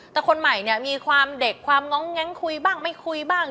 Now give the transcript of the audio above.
แต่คนใหม่เนี่ยมีความเด็กความง้องแง้งคุยบ้างไม่คุยบ้าง